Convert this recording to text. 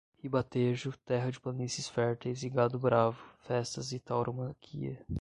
Ribatejo, terra de planícies férteis e gado bravo, festas e tauromaquia.